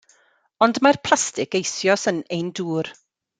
Ond mae'r plastig eisoes yn ein dŵr.